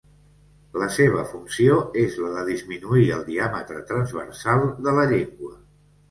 La seva funció és la de disminuir el diàmetre transversal de la llengua.